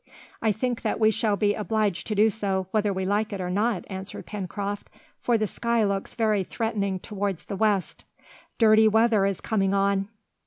"I think that we shall be obliged to do so, whether we like it or not," answered Pencroft, "for the sky looks very threatening towards the west. Dirty weather is coming on!"